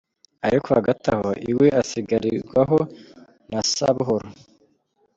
Ariko hagati aho iwe asigarirwaho na Sabuhoro.